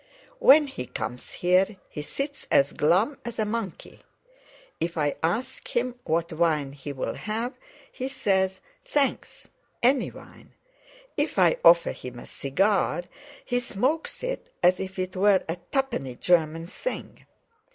When he comes here, he sits as glum as a monkey. If I ask him what wine he'll have, he says: 'Thanks, any wine.' If I offer him a cigar, he smokes it as if it were a twopenny German thing.